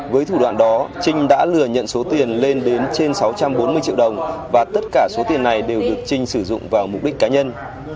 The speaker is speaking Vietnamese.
với thủ đoạn đó trinh đã lừa nhận số tiền lên đến trên sáu trăm bốn mươi triệu đồng và tất cả số tiền này đều được trinh sử dụng vào mục đích cá nhân